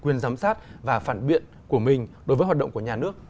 quyền giám sát và phản biện của mình đối với hoạt động của nhà nước